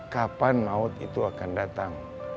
kapan maut itu akan datang